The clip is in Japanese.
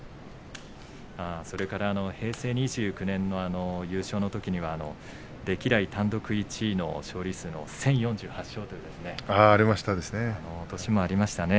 それから平成２９年の優勝のときには歴代単独１位の勝利数の１０４８勝というのがありましたね。